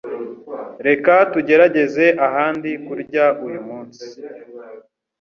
Reka tugerageze ahandi kurya uyu munsi